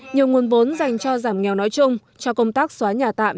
nhiều nguồn vốn dành cho giảm nghèo nói chung cho công tác xóa nhà tạm